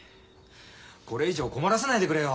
これ以上困らせないでくれよ。